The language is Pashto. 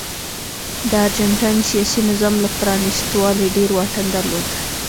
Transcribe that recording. د ارجنټاین سیاسي نظام له پرانیستوالي ډېر واټن درلود.